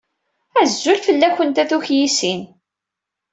Azul fell-akent a tukyisin!